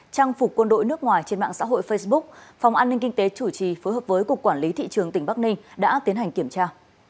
trang phục quân đội nước ngoài trên mạng xã hội facebook phòng an ninh kinh tế chủ trì phối hợp với cục quản lý thị trường tỉnh bắc ninh đã tiến hành kiểm tra